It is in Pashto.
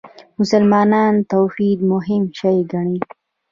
مسلمانان توحید مهم شی ګڼي.